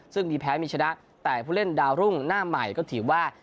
ซึ่งมีแพ้มีชนะแต่ผู้เล่นดาวรุ่งหน้าใหม่ก็ถือว่า